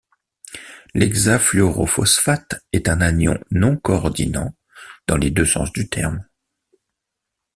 L'hexafluorophosphate est un anion non coordinant dans les deux sens du terme.